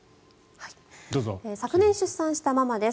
昨年出産したママです。